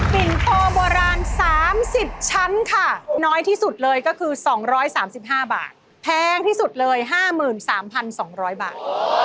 ปิ่นโตโบราณ๓๐ชั้นค่ะน้อยที่สุดเลยก็คือ๒๓๕บาทแพงที่สุดเลย๕๓๒๐๐บาท